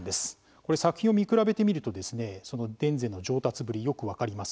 これ作品を見比べてみるとですね田善の上達ぶりよく分かります。